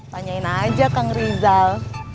panyain aja kang rizal